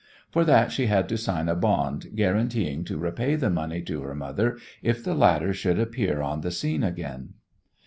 For that she had to sign a bond guaranteeing to repay the money to her mother if the latter should appear on the scene again.